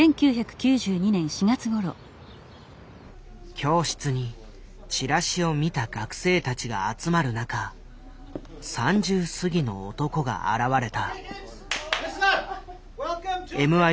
教室にチラシを見た学生たちが集まる中３０すぎの男が現れた。